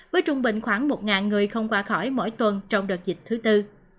với trung bình khoảng một người không qua khỏi mỗi tuần trong đợt dịch thứ tư